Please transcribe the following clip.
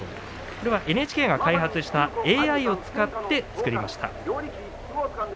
これはＮＨＫが開発したＡＩを使って作りました。